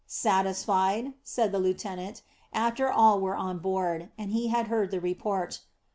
"Satisfied?" said the lieutenant, after all were on board, and he had heard the report.